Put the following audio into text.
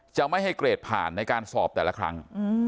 จะไม่ให้เกรดผ่านในการสอบแต่ละครั้ง